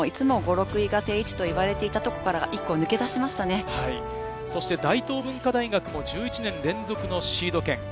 大阪学院大学もいつも５６位が定位置と言われていたところから大東文化大学も１１年連続のシード権。